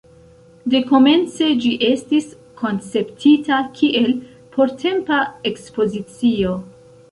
Dekomence ĝi estis konceptita kiel portempa ekspozicio.